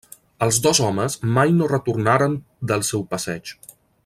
Els dos homes mai no retornaren del seu passeig.